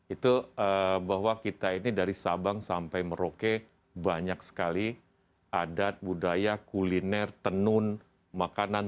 itu bahwa kita ini dari sabang sampai merauke banyak sekali adat budaya kuliner tenun makanan